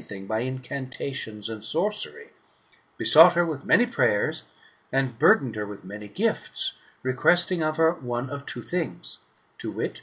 1 59 anything by incantations and sorcery, besought her with many prayers, and burdened her with many gifts, requesting of her one of two things, viz.